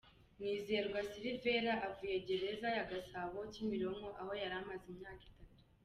MwizerwaSylivere avuye muri Gereza ya Gasabo “Kimironko”, aho yari amaze imyaka itatu.